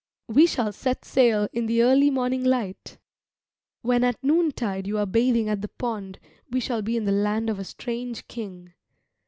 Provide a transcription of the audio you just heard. We shall set sail in the early morning light. When at noontide you are bathing at the pond, we shall be in the land of a strange king.